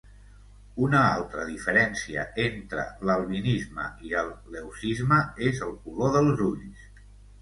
Una altra diferència entre l'albinisme i el leucisme és el color dels ulls.